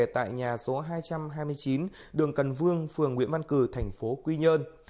tại nhà số hai trăm hai mươi chín đường cần vương phường nguyễn văn cử thành phố quy nhơn